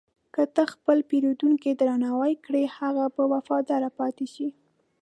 که ته خپل پیرودونکی درناوی کړې، هغه به وفادار پاتې شي.